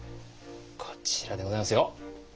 こちらでございますよはい。